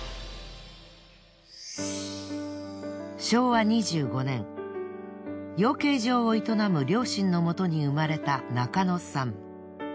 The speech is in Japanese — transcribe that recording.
昭和２５年養鶏場を営む両親のもとに生まれた中野さん。